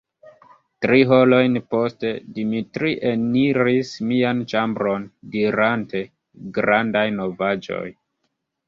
Tri horojn poste, Dimitri eniris mian ĉambron, dirante: "Grandaj novaĵoj!"